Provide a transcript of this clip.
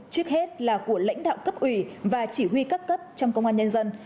trước hết là của lãnh đạo cấp ủy và chỉ huy các cấp trong công an nhân dân